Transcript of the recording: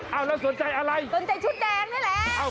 เอาแล้วสนใจอะไรสนใจชุดแดงนี่แหละ